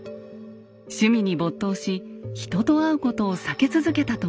趣味に没頭し人と会うことを避け続けたといいます。